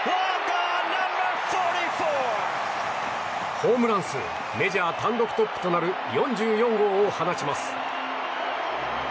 ホームラン数メジャー単独トップとなる４４号を放ちます。